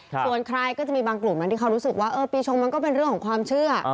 ส่วนใครก็จะมีบางกลุ่มนั้นที่เขารู้สึกว่าปีชงมันก็เป็นเรื่องของความเชื่อ